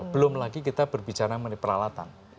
belum lagi kita berbicara mengenai peralatan